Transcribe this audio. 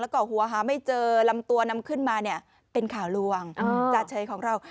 แล้วก็หัวหาไม่เจอลำตัวนำขึ้นมาเนี่ยเป็นข่าวลวงจาเฉยของเรา